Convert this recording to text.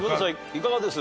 いかがです？